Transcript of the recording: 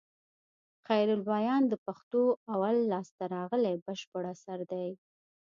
خيرالبيان د پښتو اول لاسته راغلى بشپړ اثر دئ.